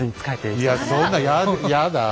いやそんなややだあ。